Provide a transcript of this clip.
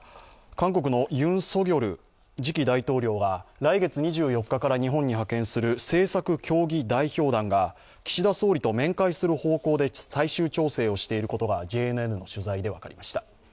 韓国のユン・ソギョル次期大統領が来月２４日から日本に派遣する政策協議代表団が岸田総理と面会する方向で最終調整をしていることがＪＮＮの取材で分かりました。